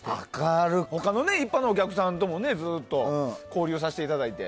他の一般のお客さんともずっと交流させていただいて。